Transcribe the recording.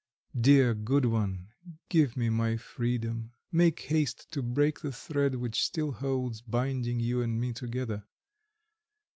Dear, good one, give me my freedom, make haste to break the thread, which still holds, binding you and me together.